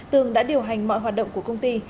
tường đã điều hành mọi hoạt động của công ty